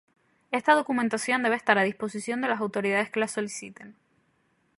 Esta documentación debe estar a disposición de las autoridades que la soliciten.